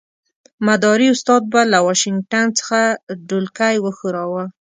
مداري استاد به له واشنګټن څخه ډولکی وښوراوه.